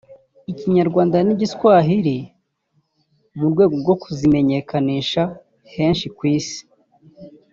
Ikinyarwanda n’Igiswahili mu rwego rwo kuzimenyekanisha henshi ku isi